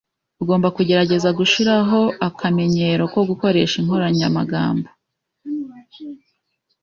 Ugomba kugerageza gushiraho akamenyero ko gukoresha inkoranyamagambo.